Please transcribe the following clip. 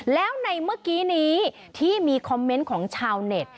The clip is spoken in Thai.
แล้วในเมื่อกี้นี้ที่มีของชาวเน็ต